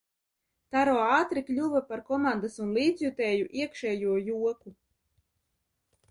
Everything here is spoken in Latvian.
Taro ātri kļuva par komandas un līdzjutēju iekšējo joku.